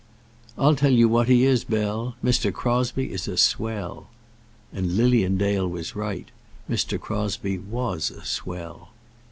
"I'll tell you what he is, Bell; Mr. Crosbie is a swell." And Lilian Dale was right; Mr. Crosbie was a swell.